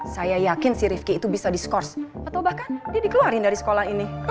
saya yakin si rivki itu bisa diskurs atau bahkan dia dikeluarin dari sekolah ini